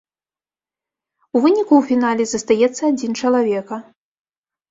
У выніку ў фінале застаецца адзін чалавека.